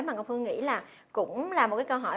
mà con phương nghĩ là cũng là một cái câu hỏi